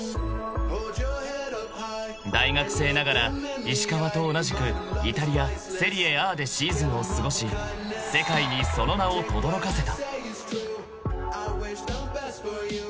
［大学生ながら石川と同じくイタリアセリエＡでシーズンを過ごし世界にその名をとどろかせた］